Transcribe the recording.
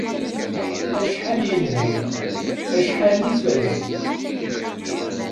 Acḥal yelha, acḥal ifaz.